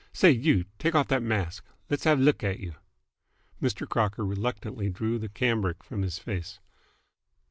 "Say you! Take off th't mask. Let's have a l'k at you!" Mr. Crocker reluctantly drew the cambric from his face.